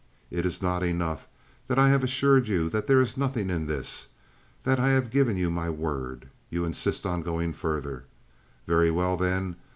It is not enough that I have assured you that there is nothing in this—that I have given you my word. You insist on going further. Very well, then.